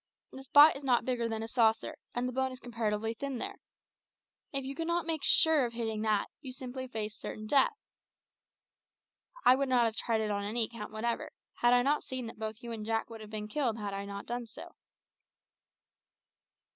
The spot is not bigger than a saucer, and the bone is comparatively thin there. If you cannot make sure of hitting that, you simply face certain death. I would not have tried it on any account whatever, had I not seen that both you and Jack would have been killed had I not done so."